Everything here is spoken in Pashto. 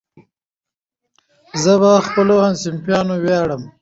زه په خپلو همصنفیانو ویاړم.